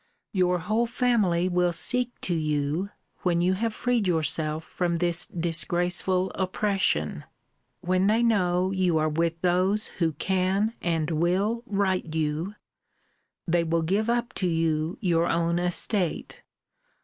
Your whole family will seek to you, when you have freed yourself from this disgraceful oppression. When they know you are with those who can and will right you, they will give up to you your own estate.